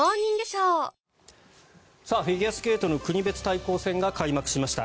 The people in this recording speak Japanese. フィギュアスケートの国別対抗戦が開幕しました。